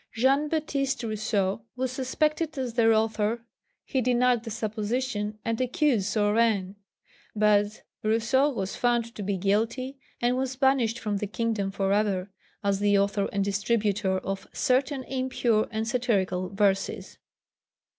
Jean Baptist Rousseau was suspected as their author; he denied the supposition and accused Saurin; but Rousseau was found to be guilty and was banished from the kingdom for ever, as the author and distributer of "certain impure and satirical verses."